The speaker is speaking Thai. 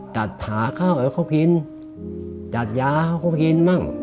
จัดหาข้าวให้เขากินจัดยาให้เขากินบ้าง